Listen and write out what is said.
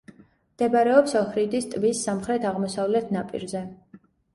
მდებარეობს ოჰრიდის ტბის სამხრეთ-აღმოსავლეთ ნაპირზე.